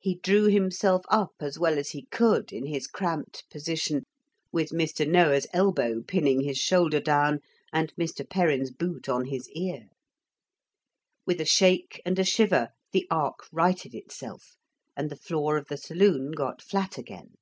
He drew himself up as well as he could in his cramped position, with Mr. Noah's elbow pinning his shoulder down and Mr. Perrin's boot on his ear. With a shake and a shiver the ark righted itself, and the floor of the saloon got flat again.